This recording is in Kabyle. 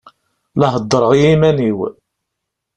La heddṛeɣ i yiman-iw.